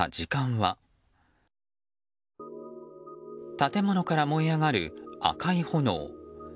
建物から燃え上がる赤い炎。